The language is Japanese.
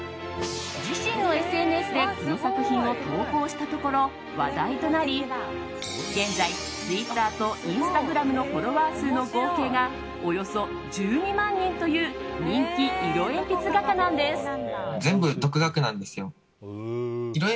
自身のＳＮＳでこの作品を投稿したところ話題となり、現在ツイッターとインスタグラムのフォロワー数の合計がおよそ１２万人という人気色鉛筆画家なんです。